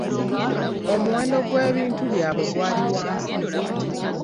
Omuwendo gw'ebintu byabwe gwali wansi.